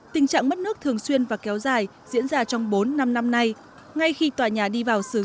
tình trạng mất nước thường xuyên và kéo dài diễn ra trong bốn năm năm nay ngay khi tòa nhà đi vào sử dụng